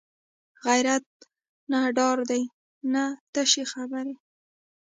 غیرت نه ډار دی نه تشه خبرې